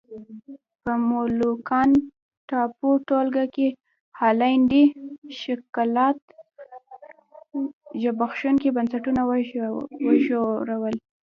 په مولوکان ټاپو ټولګه کې هالنډي ښکېلاک زبېښونکي بنسټونه وزېږول.